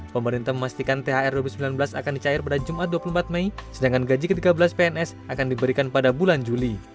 pemerintah memastikan thr dua ribu sembilan belas akan dicair pada jumat dua puluh empat mei sedangkan gaji ke tiga belas pns akan diberikan pada bulan juli